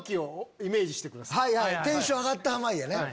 テンション上がった濱家やね。